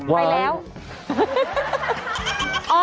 ไปแล้ว